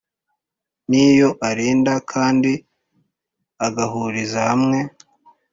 niyo arinda kandi agahuriza hamwe